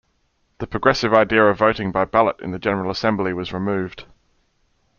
The progressive idea of voting by ballot in the General Assembly was removed.